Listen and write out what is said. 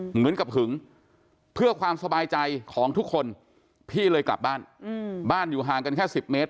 เหมือนกับหึงเพื่อความสบายใจของทุกคนพี่เลยกลับบ้านบ้านอยู่ห่างกันแค่๑๐เมตร